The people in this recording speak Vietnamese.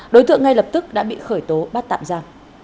đối tượng ngay lập tức đã bị khởi tố bắt tạm ra